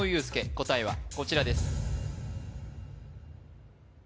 答えはこちらです